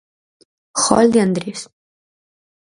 Gol de Andrés.